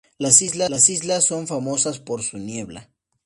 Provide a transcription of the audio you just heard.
Las islas son famosas por su niebla.